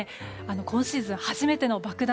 今シーズン初めての爆弾